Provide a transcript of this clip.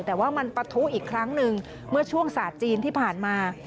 แต่ว่ามันปะทุอีกครั้งหนึ่งเมื่อช่วงศาสตร์จีนที่ผ่านมา